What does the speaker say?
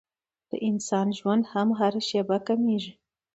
د انسان ژوند هم هره شېبه کمېږي.